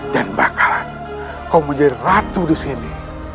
dan bakalan kau menjadi ratu disini